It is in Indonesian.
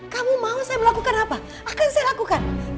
kamu mau saya melakukan apa akan saya lakukan